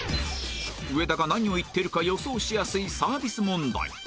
上田が何を言ってるか予想しやすいサービス問題